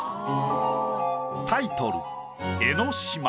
タイトル。